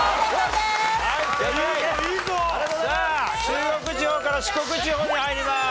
さあ中国地方から四国地方に入ります。